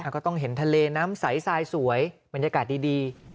ก็ต้องเห็นทะเลน้ำใสทรายสวยบรรยากาศดี